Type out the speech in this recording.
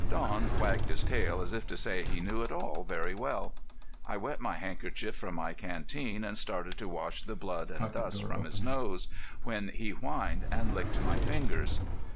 Don wagged his tail as if to say he knew it all very well. I wet my handkerchief from my canteen and started to wash the blood and dust from his nose, when he whined and licked my fingers.